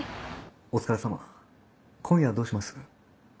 お疲れさま今夜はどうします？